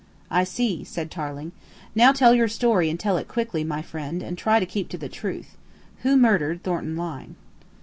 "I see," said Tarling. "Now tell your story and tell it quickly, my friend, and try to keep to the truth. Who murdered Thornton Lyne?"